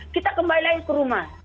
kita kembali lagi ke rumah